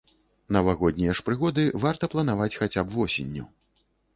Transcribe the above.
Навагоднія ж прыгоды варта планаваць хаця б восенню.